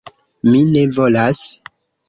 Mi ne volas.